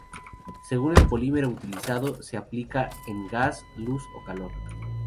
Según el polímero utilizado, se aplica un gas, luz o calor.